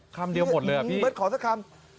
คำเดียวหมดเลยอ่ะพี่เบิร์ดขอสักคำ